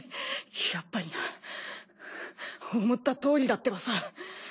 やっぱりな思ったとおりだってばさ。